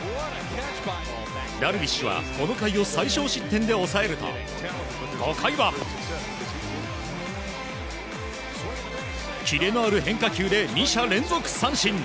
ダルビッシュはこの回を最少失点で抑えると５回はキレのある変化球で２者連続三振。